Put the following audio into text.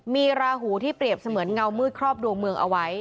มีราหูที่เปรียบเสมือนเงามืดครอบดวงเมืองเอาไว้